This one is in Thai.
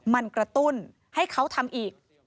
มันกระตุ้นให้เขาทำอีก